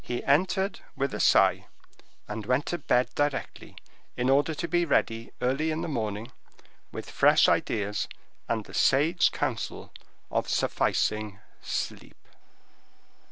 He entered with a sigh, and went to bed directly in order to be ready early in the morning with fresh ideas and the sage counsel of sufficing sleep.